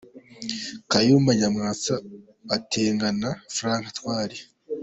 Kayumba Nyamwasa, Batenga na Frank Ntwali